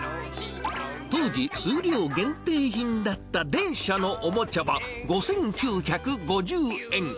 当時、数量限定品だった電車のおもちゃは５９５０円。